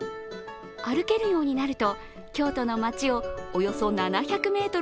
歩けるようになると、京都の街をおよそ７００ｍ